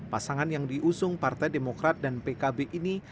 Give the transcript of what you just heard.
pasangan yang diusung partai demokrat dan pkb ini